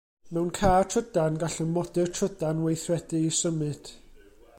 Mewn car trydan, gall y modur trydan weithredu i symud.